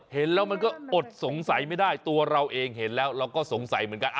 เห็นแล้วมันก็อดสงสัยไม่ได้ตัวเราเองเห็นแล้วเราก็สงสัยเหมือนกัน